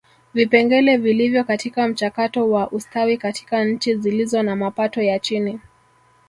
Vipengele vilivyo katika mchakato wa ustawi katika nchi zilizo na mapato ya chini